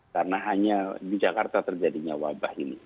karena hanya di jakarta terjadinya wabah ini